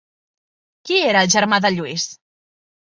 Qui era el germà de Lluís?